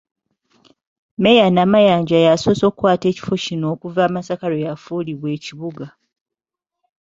Mmeeya Namayanja y’asoose okukwata ekifo kino okuva Masaka lwe yafuulibwa ekibuga.